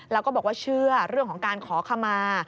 แล้วก็บอกว่าเชื่อเรื่องของการขอขมา